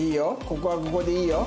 ここはここでいいよ。